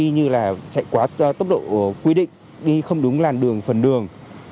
như là chạy quá tốc độ quy định đi không đúng làn đường phần đường